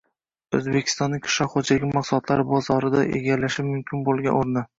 O‘zbekistonning qishloq xo‘jaligi mahsulotlari bozorida egallashi mumkin bo‘lgan o‘rni